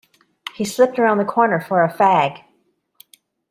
He slipped around the corner for a fag.